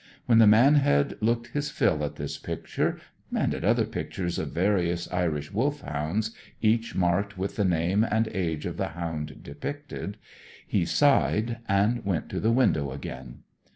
When the man had looked his fill at this picture, and at other pictures of various Irish Wolfhounds, each marked with the name and age of the hound depicted, he sighed, and went to the window again.